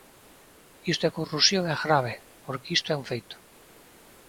Isto é corrupción e grave, porque isto é un feito.